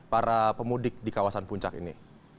para pemudik di kawasan puncak ini